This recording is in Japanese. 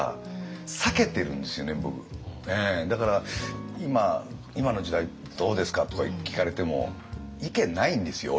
だから今「今の時代どうですか？」とか聞かれても意見ないんですよ